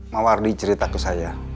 mawardi ceritaku saya